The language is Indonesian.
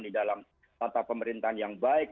di dalam tata pemerintahan yang baik